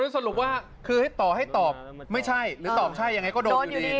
สรุปว่าคือให้ต่อให้ตอบไม่ใช่หรือตอบใช่ยังไงก็โดนอยู่ดี